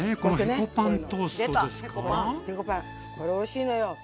凹パンこれおいしいのよ。